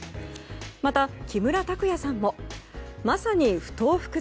また木村拓哉さんもまさに不撓不屈！